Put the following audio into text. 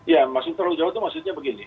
ya masih terlalu jauh itu maksudnya begini